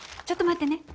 ちょっと待ってね。